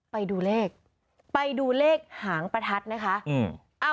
ไปดูเลขไปดูเลขหางประทัดนะคะอืม